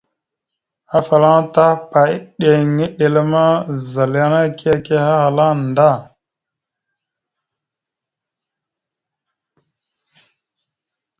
Afalaŋa Tahpa ideŋ iɗel ma, zal yana ike ekehe ahala nda.